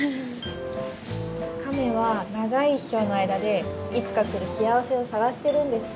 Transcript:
亀は長い一生の間でいつか来る幸せを探してるんです。